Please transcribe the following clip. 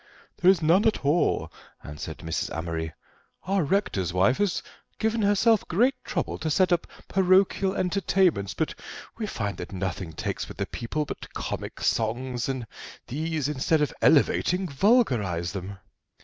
"There is none at all," answered Mrs. Amory; "our rector's wife has given herself great trouble to get up parochial entertainments, but we find that nothing takes with the people but comic songs, and these, instead of elevating, vulgarise them."